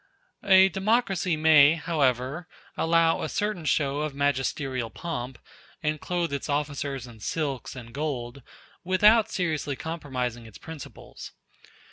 A democracy may, however, allow a certain show of magisterial pomp, and clothe its officers in silks and gold, without seriously compromising its principles.